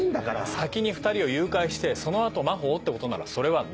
先に２人を誘拐してその後真帆をってことならそれはない。